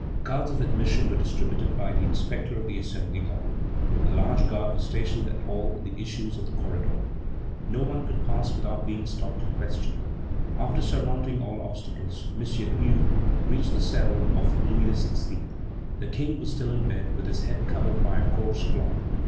Cards of admission were distributed by the inspector of the Assembly hall. A large guard was stationed at all the issues of the corridor. No one could pass without being stopped and questioned. After surmounting all obstacles, M. Hue reached the cell of Louis XVI. The King was still in bed, with his head covered by a coarse cloth.